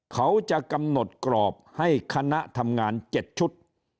เขาจะกำหนดกรอบให้คณะทำงาน๗ชุด